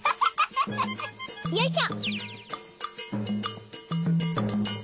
よいしょ。